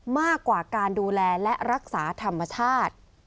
มากกว่าการดูแลและรักษาธรรมชาติ